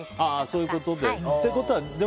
そういうことで。